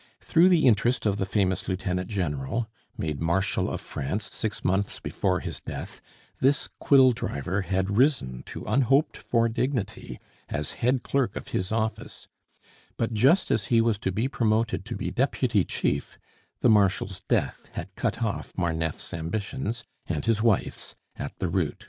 Through the interest of the famous lieutenant general made marshal of France six months before his death this quill driver had risen to unhoped for dignity as head clerk of his office; but just as he was to be promoted to be deputy chief, the marshal's death had cut off Marneffe's ambitions and his wife's at the root.